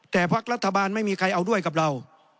แต่พักรัฐบาลไม่มีใครเอาด้วยกับเรา